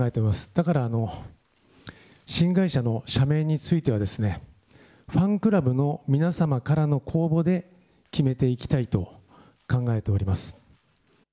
だから新会社の社名についてはですね、ファンクラブの皆様からの公募で決めていきたいと考えております。